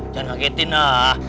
jangan ngagetin lah